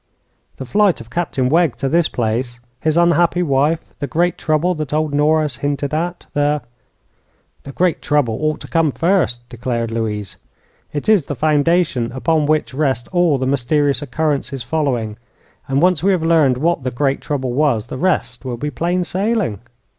The flight of Captain Wegg to this place, his unhappy wife, the great trouble that old Nora has hinted at, the " "The great trouble ought to come first," declared Louise. "It is the foundation upon which rest all the mysterious occurrences following, and once we have learned what the great trouble was, the rest will be plain sailing."